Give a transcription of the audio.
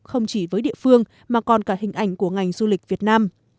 không chỉ với địa phương mà còn cả hình ảnh của ngành du lịch việt nam